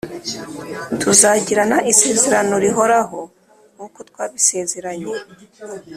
tuzagirana isezerano rihoraho nkuko twabisezeranye